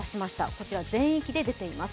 こちら全域で出ています。